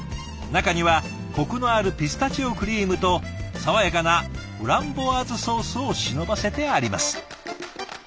中にはコクのあるピスタチオクリームと爽やかなフランボワーズソースを忍ばせてあります。